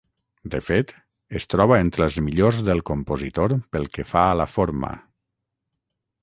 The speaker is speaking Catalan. De fet, es troba entre els millors del compositor pel que fa a la forma.